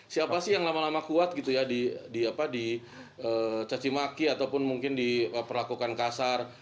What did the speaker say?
ya apa sih yang lama lama kuat gitu ya di cacimaki ataupun mungkin diperlakukan kasar